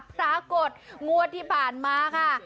ปรากฏงวดที่ผ่านมาค่ะ